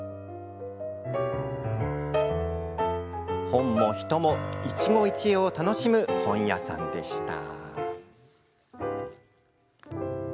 本も人も一期一会を楽しむ本屋さんでした。